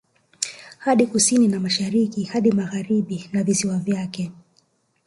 Hadi Kusini na Mashariki hadi Magharibi na visiwa vyake